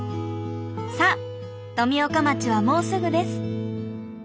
さあ富岡町はもうすぐです。